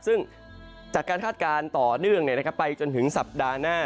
ซึ่งจากการคาดการณ์ต่อเนื่องไปจนถึงสัปดาห์หน้า